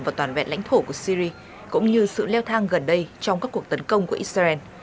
và toàn vẹn lãnh thổ của syri cũng như sự leo thang gần đây trong các cuộc tấn công của israel